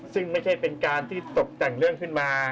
ซึ่งไม่ใช่เป็นการที่ตกแต่งเรื่องขึ้นมา